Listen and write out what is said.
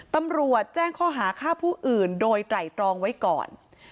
ตำรวจแจ้งข้อหาฆ่าผู้อื่นโดยไตรตรองไว้ก่อน